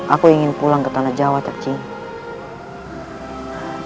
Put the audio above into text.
aku ingin pulang ke tanah jawa tercinta